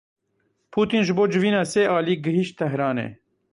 Putin ji bo civîna sê alî gihîşt Tehranê.